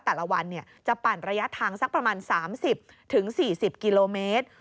แต่ละวันจะปั่นระยะทางสักประมาณ๓๐๔๐กิโลเมตร